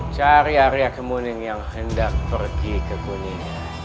cari arya kemuning yang hendak pergi ke kuning